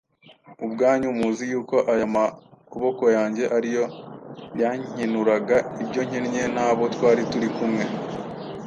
Ubwanyu muzi yuko aya maboko yanjye ari yo yankenuraga ibyo nkennye n’abo twari turi kumwe.